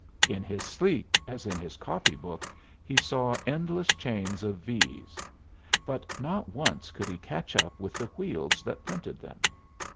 In his sleep as in his copy book, he saw endless chains of V's. But not once could he catch up with the wheels that printed them.